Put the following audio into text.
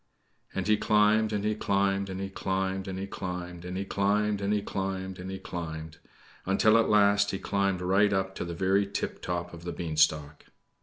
And he climbed, and he climbed, and he climbed, and he climbed, and he climbed, and he climbed, and he climbed until at last he climbed right up to the very tiptop of the beanstalk.